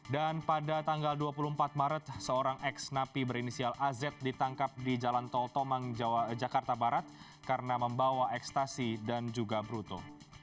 dan pada tanggal dua puluh empat maret seorang ex napi berinisial az ditangkap di jalan tol tomang jakarta barat karena membawa ekstasi dan juga bruto